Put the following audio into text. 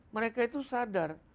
mereka itu sadar